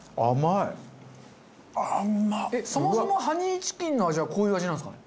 そもそもハニーチキンの味はこういう味なんですかね？